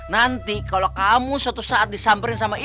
nanti kalau kamu suatu saat disamperin sama ibu